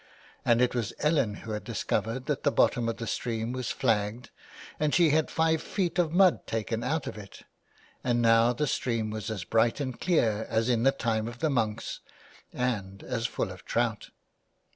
And it was Ellen who had discovered that the bottom of the stream was flagged and she had five feet of mud taken out of it, and now the stream was as bright and clear as in the time of the monks, and as full of trout.